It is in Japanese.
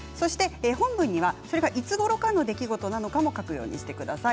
本文にはそれがいつごろかの出来事なのかも書くようにしてください。